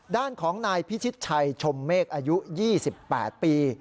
ด้านของนายพิชิตชัยชมเมฆอายุ๒๘ปี